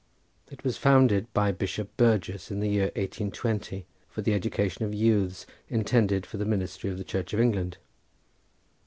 It was founded by Bishop Burgess in the year 1820, for the education of youths intended for the ministry of the Church of England.